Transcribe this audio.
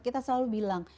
kita selalu bilang